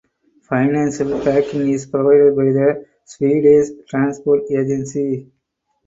Financial backing is provided by the Swedish Transport Agency.